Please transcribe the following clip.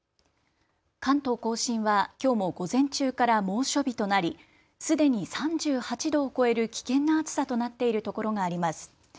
関東甲信はきょうも午前中から猛暑日となりすでに３８度を超える危険な暑さとなっているところがあります。